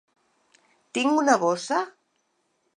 Tinc una bossa?